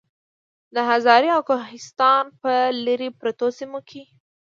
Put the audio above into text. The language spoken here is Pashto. د هزارې او کوهستان پۀ لرې پرتو سيمو کې